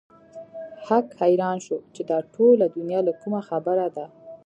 هک حيران شو چې دا ټوله دنيا له کومه خبره ده.